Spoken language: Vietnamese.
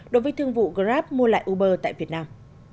đối với thương vụ grab mua lại uber tại việt nam